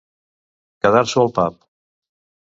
Quedar-s'ho al pap.